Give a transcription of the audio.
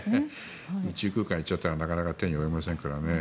宇宙空間に行っちゃったらなかなか手に負えませんからね。